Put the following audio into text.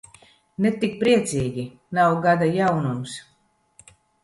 Ne tik priecīgi, nav gada jaunums.